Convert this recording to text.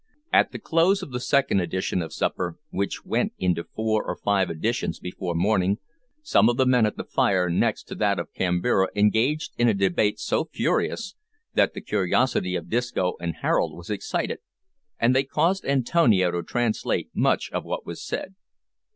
At the close of the second edition of supper, which went into four or five editions before morning, some of the men at the fire next to that of Kambira engaged in a debate so furious, that the curiosity of Disco and Harold was excited, and they caused Antonio to translate much of what was said.